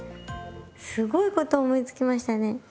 すごいことを思いつきましたね。